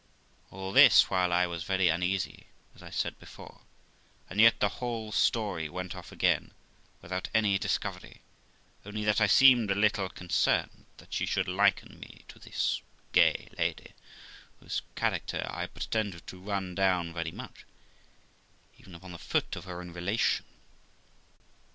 All this while I was very uneasy, as I said before, and yet the whole story went off again without any discovery, only that I seemed a little concerned that she should liken me to this gay lady, whose character I pretended to run down very much, even upon the foot of her own relation.